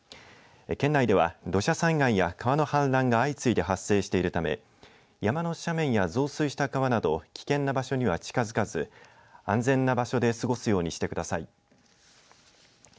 県内では土砂災害や川の氾濫が相次いで発生しているため山の斜面や増水した川など危険な場所には近づかず安全な場所で過ごすようにしてください。